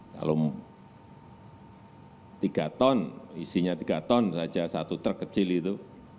kalau tiga ton isinya tiga ton saja satu truk kecil itu